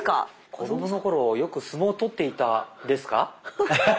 子供の頃よく相撲を取っていたですか？